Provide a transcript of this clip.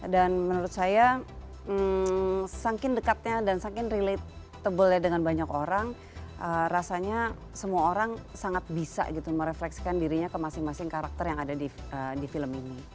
dan menurut saya saking dekatnya dan saking relatablenya dengan banyak orang rasanya semua orang sangat bisa gitu merefleksikan dirinya ke masing masing karakter yang ada di film ini